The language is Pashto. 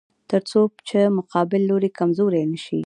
تر څو چې مقابل لوری کمزوری نشي.